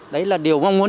đấy là điều mong muốn